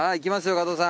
加藤さん。